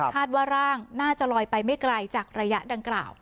คาดว่าร่างน่าจะลอยไปไม่ไกลจากระยะดังกล่าว